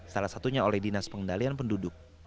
salah satunya oleh dinas pengendalian penduduk